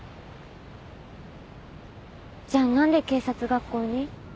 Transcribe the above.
じゃあ何で警察学校に？